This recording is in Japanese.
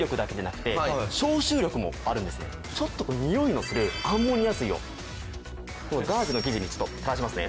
ちょっとこうにおいのするアンモニア水をこのガーゼの生地にちょっと垂らしますね。